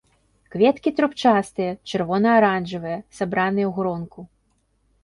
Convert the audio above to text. Кветкі трубчастыя, чырвона-аранжавыя, сабраныя ў гронку.